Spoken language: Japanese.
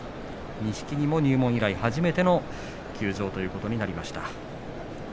錦木も入門以来初めての休場ということになりました。